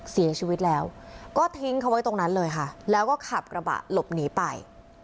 เสียชีวิตแล้วก็ทิ้งเขาไว้ตรงนั้นเลยค่ะแล้วก็ขับกระบะหลบหนีไป